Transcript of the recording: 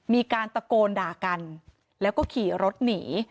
มีการตะโกนด่ากันแล้วก็ขี่รถหนี